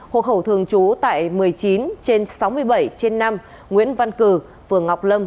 hộ khẩu thường trú tại một mươi chín trên sáu mươi bảy trên năm nguyễn văn cử phường ngọc lâm